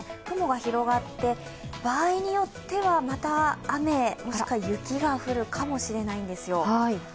雲が広がって、場合によってまた雨もしくは雪が降るかもしれないんですよ。